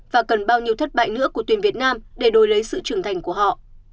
và cần bao nhiêu thất bại nữa của tuyển việt nam để đổi lấy sự trưởng thành của họ